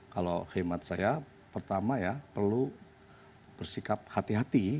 kalau khidmat saya pertama ya perlu bersikap hati hati